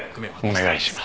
お願いします。